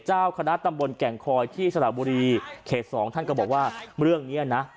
เจ้าคณะตำบลแก่งคอยที่สระบุรีเขตสองท่านก็บอกว่าเรื่องเนี้ยนะ